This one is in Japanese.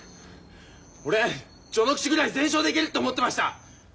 俺序ノ口ぐらい全勝でいけるって思ってました！